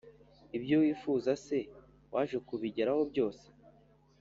ibyo wifuzaga se waje kubigeraho byose?